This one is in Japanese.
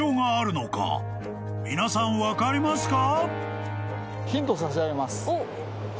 ［皆さん分かりますか？］